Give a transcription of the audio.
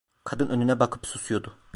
Kadın önüne bakıp susuyordu.